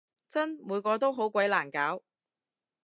真！每個都好鬼難搞